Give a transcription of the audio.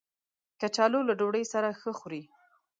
کچالو له ډوډۍ سره ښه خوري